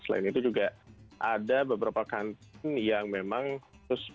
selain itu juga ada beberapa kantin yang memang khusus